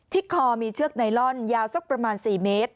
คอมีเชือกไนลอนยาวสักประมาณ๔เมตร